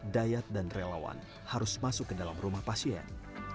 dayat dan relawan harus masuk ke dalam rumah pasien